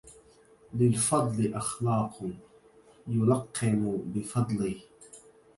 للفضل أخلاق يلقن بفضله